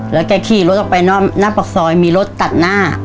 แล้วแกขี่รถออกไปหน้าปากซอยมีรถตัดหน้า